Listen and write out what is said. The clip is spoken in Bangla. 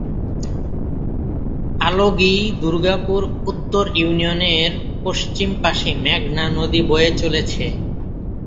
আলগী দুর্গাপুর উত্তর ইউনিয়নের পশ্চিম পাশে মেঘনা নদী বয়ে চলেছে।